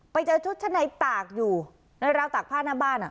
ไปเจอชุดชั้นในตากอยู่ในราวตากผ้าหน้าบ้าน